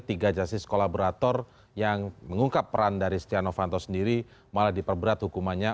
tiga jasis kolaborator yang mengungkap peran dari setia novanto sendiri malah diperberat hukumannya